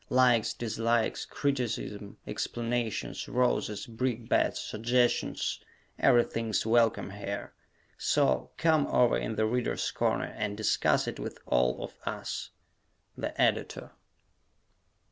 Likes, dislikes, criticisms, explanations, roses, brickbats, suggestions everything's welcome here: so "come over in 'The Readers' Corner'" and discuss it with all of us! _The Editor.